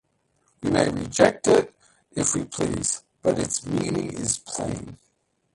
We may reject it if we please, but its meaning is plain.